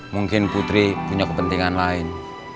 mungkin putri punya kepentingan lain